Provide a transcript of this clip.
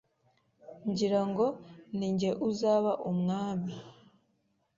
ngira ngo ni jye uzaba umwami